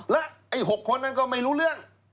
และไอ้๖คนนั้นก็ไม่รู้เรื่อง